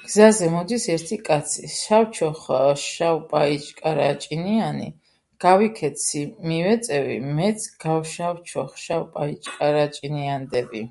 გზაზე მოდის ერთი კაცი შავჩოხშავპაიჭკარაჭინიანი, გავიქცევი მივეწევი მეც გავშავჩოხშავპაიჭკარაჭინიანდები.